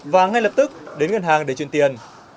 và ngay lập tức đến ngân hàng để truyền tiền